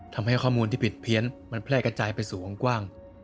ทำให้ข้อมูลที่ผิดเพี้ยนมันแพร่กระจายไปสู่วงกว้าง